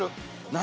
何？